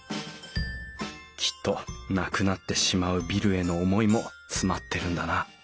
きっとなくなってしまうビルへの思いも詰まってるんだな。